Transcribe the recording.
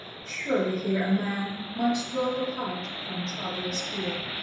surely here A man might dwell apart from troublous fear.